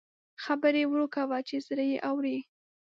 خبرې ورو کوه چې زړه یې اوري